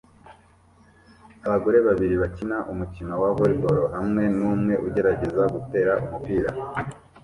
Abagore babiri bakina umukino wa volley ball hamwe numwe ugerageza gutera umupira